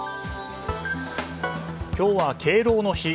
今日は敬老の日。